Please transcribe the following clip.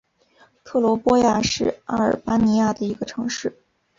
特罗波亚是阿尔巴尼亚的一个城市。